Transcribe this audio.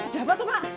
ada apa tuh pak